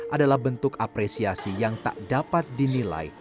adalah bentuk apresiasi yang tak dapat dinilai